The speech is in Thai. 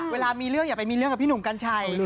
เวลามีเรื่องอย่าไปมีเรื่องกับพี่หนุ่มกัญชัย